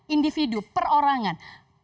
individu per orangan